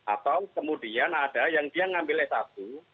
atau kemudian ada yang dia ngambil etatu